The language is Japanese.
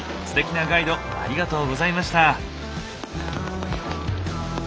ステキなガイドありがとうございました。